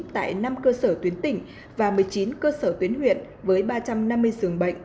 tại năm cơ sở tuyến tỉnh và một mươi chín cơ sở tuyến huyện với ba trăm năm mươi giường bệnh